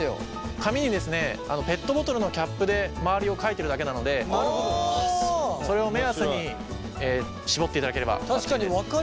紙にペットボトルのキャップで周りを書いてるだけなのでそれを確かに分かりやすいですね